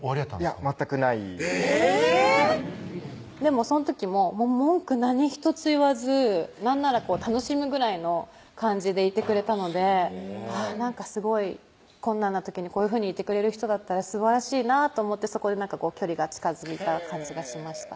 いや全くないでもその時も文句何一つ言わずなんなら楽しむぐらいの感じでいてくれたのですごい困難な時にこういうふうにいてくれる人だったらすばらしいなと思ってそこで距離が近づいた感じがしました